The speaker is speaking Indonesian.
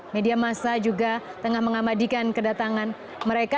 media masa juga tengah mengabadikan kedatangan mereka